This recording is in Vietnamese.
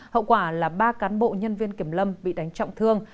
hậu quả là ba cán bộ nhân viên kiểm lâm bị đánh trọng thương